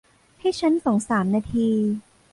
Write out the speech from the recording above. ให้ฉันสองสามนาที